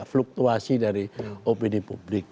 fluktuasi dari opini publik